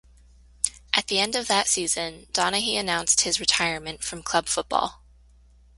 At the end of that season, Donaghy announced his retirement from club football.